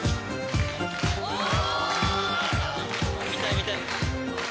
見たい見たい。